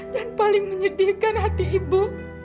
dan paling menyedihkan hati ibu